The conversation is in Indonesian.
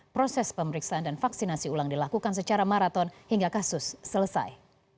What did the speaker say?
proses pemeriksaan dan vaksinasi ulang dilakukan secara maraton hingga kasus selesai